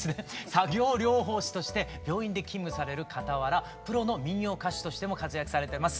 作業療法士として病院で勤務されるかたわらプロの民謡歌手としても活躍されてます